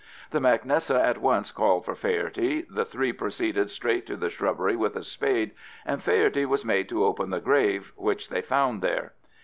The mac Nessa at once called for Faherty; the three proceeded straight to the shrubbery with a spade, and Faherty was made to open the grave which they found there.